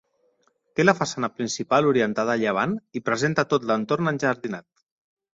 Té la façana principal orientada a llevant i presenta tot l'entorn enjardinat.